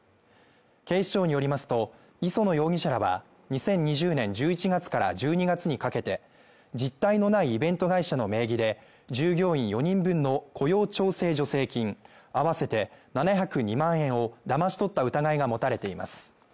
警視庁によりますと、磯野容疑者らは２０２０年１１月から１２月にかけて実態のないイベント会社の名義で従業員４人分の雇用調整助成金あわせて７０２万円をだまし取った疑いが持たれています。